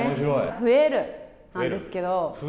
増えるなんですけど。